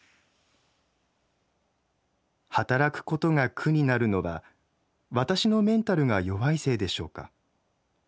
働くことが苦になるのは私のメンタルが弱いせいでしょうか。